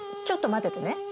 ちょっと待っててね。